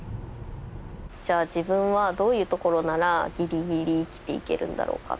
じゃあ自分はどういうところならギリギリ生きていけるんだろうか？